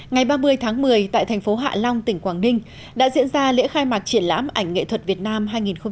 ngày ba mươi tháng một mươi tại thành phố hạ long tỉnh quảng ninh đã diễn ra lễ khai mạc triển lãm ảnh nghệ thuật việt nam hai nghìn một mươi chín